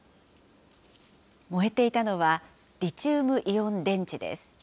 燃えていたのは、リチウムイオン電池です。